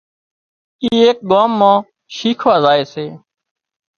اي ايڪ ڳام مان شيکوا زائي سي